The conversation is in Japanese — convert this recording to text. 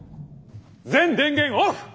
全電源オフ！